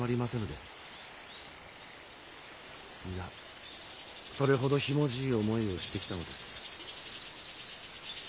皆それほどひもじい思いをしてきたのです。